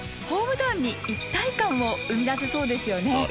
ホームタウンに一体感を生み出せそうですよね。